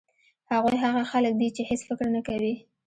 هغوی هغه خلک دي چې هېڅ فکر نه کوي.